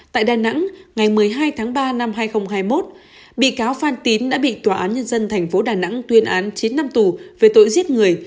tại đà nẵng ngày một mươi hai tháng ba năm hai nghìn hai mươi một bị cáo phan tín đã bị tòa án nhân dân tp đà nẵng tuyên án chín năm tù về tội giết người